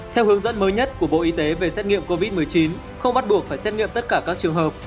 theo hướng dẫn mới nhất của bộ y tế về xét nghiệm covid một mươi chín không bắt buộc phải xét nghiệm tất cả các trường hợp